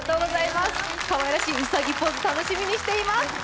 かわいらしいうさぎポーズ楽しみにしています。